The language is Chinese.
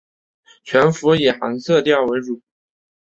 全幅以寒色调为主